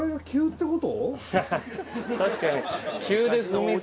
確かに。